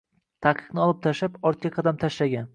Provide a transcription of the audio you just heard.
Taqiqni olib tashlab, ortga qadam tashlagan.